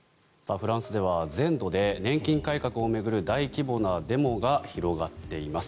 フランスでは全土で年金改革を巡る大規模なデモが広がっています。